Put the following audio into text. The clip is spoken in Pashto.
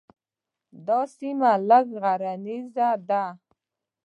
دا سیمه لږه غرنیزه ده.